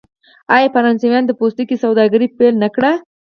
آیا فرانسویانو د پوستکي سوداګري پیل نه کړه؟